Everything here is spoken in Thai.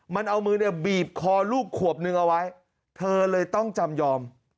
มันเอามือเนี่ยบีบคอลูกขวบนึงเอาไว้เธอเลยต้องจำยอม